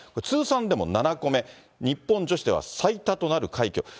通算でも７個目、日本女子では最多となる快挙。